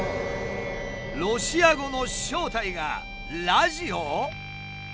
ロシア語の正体がラジオ！？